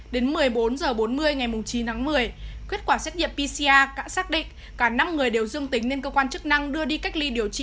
đến một mươi bốn h bốn mươi ngày chín tháng một mươi kết quả xét nghiệm pcr đã xác định cả năm người đều dương tính nên cơ quan chức năng đưa đi cách ly điều trị